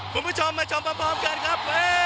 คุณผู้ชมมาชมพร้อมกันครับ